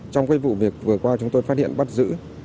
trong cái vụ việc vừa qua chúng tôi phát hiện bắt giữ